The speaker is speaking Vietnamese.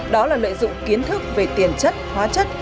đó là lợi dụng kiến thức về tiền chất hóa chất